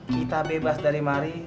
kita bebas dari mari